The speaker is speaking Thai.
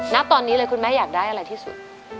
ณตอนนี้เลยคุณแม่อยากได้อะไรที่สุด